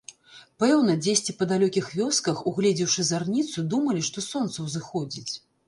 Пэўна, дзесьці па далёкіх вёсках, угледзеўшы зарніцу, думалі, што сонца ўзыходзіць.